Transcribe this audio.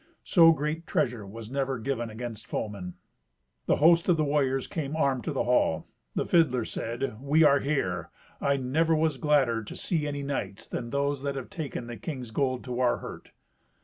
So great treasure was never given against foemen. The host of warriors came armed to the hall. The fiddler said, "We are here. I never was gladder to see any knights than those that have taken the king's gold to our hurt."